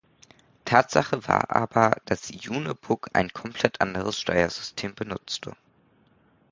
Tatsache war aber, das die June Bug ein komplett anderes Steuersystem benutzte.